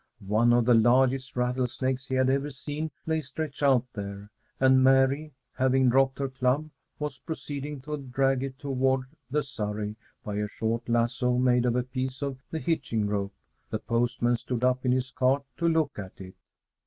One of the largest rattlesnakes he had ever seen lay stretched out there, and Mary, having dropped her club, was proceeding to drag it toward the surrey by a short lasso made of a piece of the hitching rope. The postman stood up in his cart to look at it.